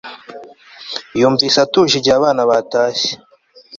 Yumvise atuje igihe abana batashye